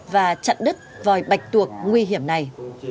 và chặn đứt vòi bạch tuộc nguy hiểm này